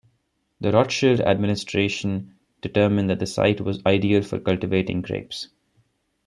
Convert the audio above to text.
The Rothschild administration determined that the site was ideal for cultivating grapes.